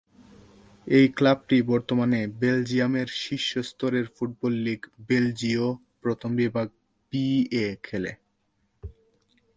এই ক্লাবটি বর্তমানে বেলজিয়ামের শীর্ষ স্তরের ফুটবল লীগ বেলজীয় প্রথম বিভাগ বি-এ খেলে।